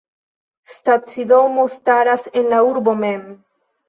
Stacidomo staras en la urbo mem.